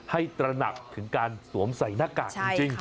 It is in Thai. ตระหนักถึงการสวมใส่หน้ากากจริง